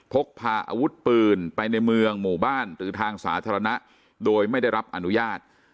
พกพาอาวุธปืนไปในเมืองหมู่บ้านหรือทางสาธารณะโดยไม่ได้รับอนุญาต